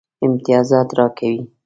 امتیازات راکوي.